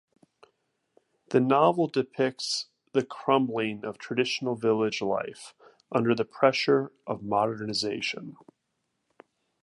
The novel depicts the crumbling of traditional village life under the pressure of modernisation.